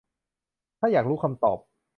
ถ้าอยากรู้คำตอบ